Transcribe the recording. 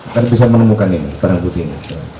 kan bisa menemukan ini barang bukti ini